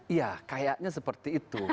iya kayaknya seperti itu